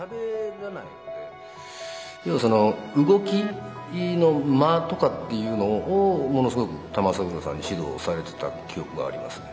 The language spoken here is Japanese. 動きの間とかっていうのをものすごく玉三郎さんに指導されてた記憶がありますね。